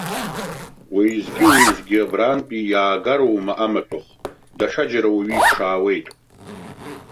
Уеизгьы-уеизгьы абрантәи иаагароума амаҭәахә, даҽаџьара уаҩы иԥшаауеит.